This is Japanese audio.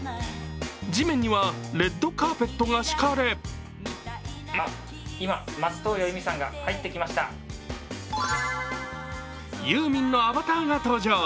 地面にはレッドカーペットが敷かれユーミンのアバターが登場。